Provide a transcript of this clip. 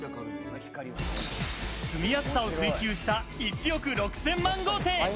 住みやすさを追求した１億６０００万豪邸。